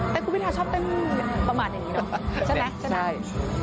แต่คุณพิทาชอบเต้นประมาณอย่างนี้เนอะใช่ไหม